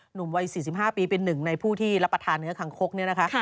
หนุ่มวัย๔๕ปีเป็นหนึ่งในผู้ที่รับประทานเนื้อคังคกเนี่ยนะคะ